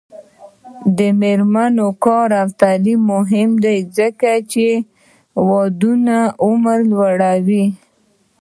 د میرمنو کار او تعلیم مهم دی ځکه چې ودونو عمر لوړوي.